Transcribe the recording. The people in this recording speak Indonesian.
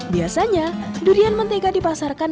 biasanya durian mentega dipasarkan